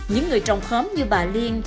những người trồng khóm như bà liên